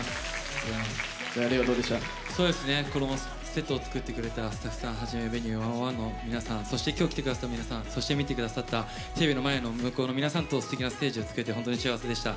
セットを作ってくれたスタッフさんはじめ「Ｖｅｎｕｅ１０１」の皆さんそして今日来てくださった皆さんそして、見てくださったテレビの前の向こうの皆さんとすてきなステージを作れて本当に幸せでした。